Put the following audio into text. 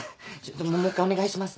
もう一回お願いします。